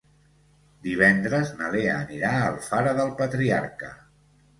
Divendres na Lea anirà a Alfara del Patriarca.